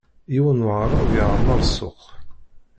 Yiwen n waɛṛab yeɛmeṛ ssuq.